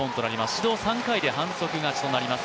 指導３回で反則勝ちとなります。